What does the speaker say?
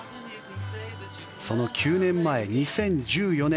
その９年前、２０１４年